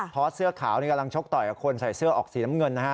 พอสเสื้อขาวนี่กำลังชกต่อยกับคนใส่เสื้อออกสีน้ำเงินนะฮะ